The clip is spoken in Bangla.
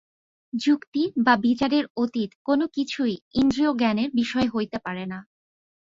যুক্তি বা বিচারের অতীত কোন কিছুই ইন্দ্রিয়-জ্ঞানের বিষয় হইতে পারে না।